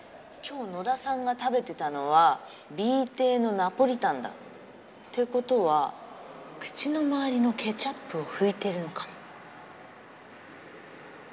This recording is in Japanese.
今日野田さんが食べてたのはＢ定のナポリタンだ。ってことは口の周りのケチャップを拭いてるのかも。